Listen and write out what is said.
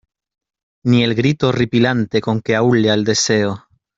Ni el grito horripilante con que aúlla el deseo.